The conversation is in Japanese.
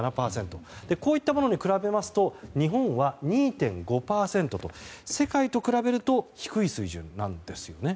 こういったものに比べますと日本は２．５％と世界と比べると低い水準なんですね。